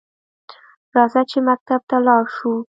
راځه چې مکتب ته لاړشوو؟